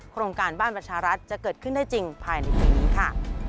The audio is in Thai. โครงการบ้านประชารัฐจะเกิดขึ้นได้จริงภายในปีนี้ค่ะ